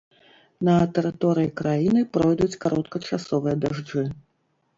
На тэрыторыі краіны пройдуць кароткачасовыя дажджы.